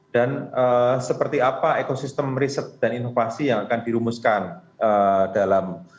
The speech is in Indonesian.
dan seperti apa ekosistem riset dan inovasi yang akan dirumuskan dalam